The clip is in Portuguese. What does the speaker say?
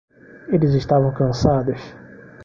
Eles estavam cansados.